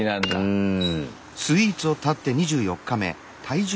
うん。